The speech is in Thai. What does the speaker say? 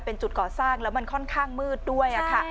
เป็นจุดก่อสร้างแล้วมันค่อนข้างมืดด้วยค่ะ